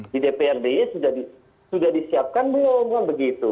di dprd sudah disiapkan belum kan begitu